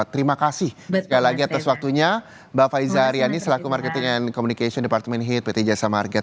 terima kasih sekali lagi atas waktunya mbak faiza haryani selaku marketing and communication departemen heat pt jasa marga